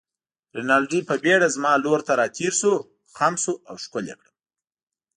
رینالډي په بېړه زما لور ته راتېر شو، خم شو او ښکل يې کړم.